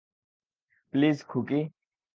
Please, Khuki.